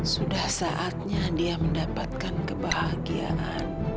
sudah saatnya dia mendapatkan kebahagiaan